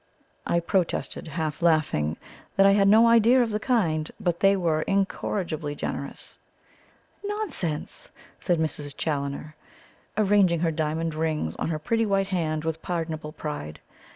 I protested, half laughing, that I had no idea of the kind, but they were incorrigibly generous. "Nonsense!" said Mrs. Challoner, arranging her diamond rings on her pretty white hand with pardonable pride.